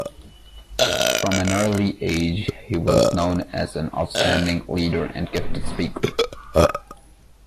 From an early age, he was known as an outstanding leader and gifted speaker.